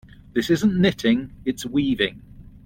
This isn't knitting, its weaving.